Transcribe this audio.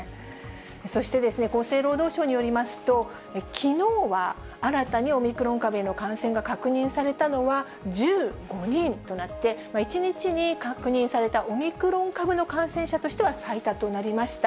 そして、厚生労働省によりますと、きのうは新たにオミクロン株への感染が確認されたのは１５人となって、１日に確認されたオミクロン株の感染者としては、最多となりました。